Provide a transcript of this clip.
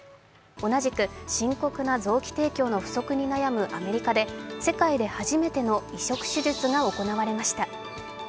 同じく深刻な臓器提供の不足に悩むアメリカで世界で初めての移植手術が行われました。